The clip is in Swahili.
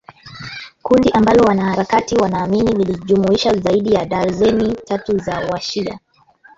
Kundi ambalo wanaharakati wanaamini lilijumuisha zaidi ya darzeni tatu za wa-shia.